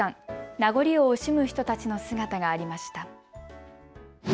名残を惜しむ人たちの姿がありました。